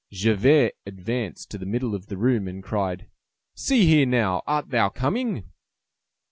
Javert advanced to the middle of the room, and cried:— "See here now! Art thou coming?"